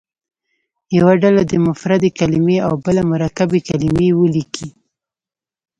یوه ډله دې مفردې کلمې او بله مرکبې کلمې ولیکي.